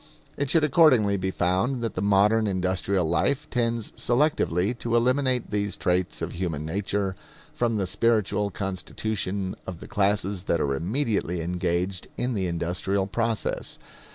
It should accordingly be found that the modern industrial life tends selectively to eliminate these traits of human nature from the spiritual constitution of the classes that are immediately engaged in the industrial process.